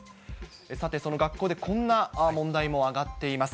さて、その学校でこんな問題も挙がっています。